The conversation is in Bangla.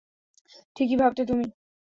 ঠিকই ভাবতে তুমি!